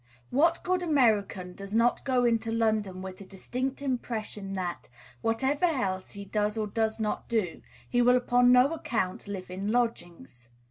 What good American does not go into London with the distinct impression that, whatever else he does or does not do, he will upon no account live in lodgings?